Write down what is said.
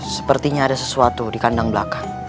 sepertinya ada sesuatu di kandang belakang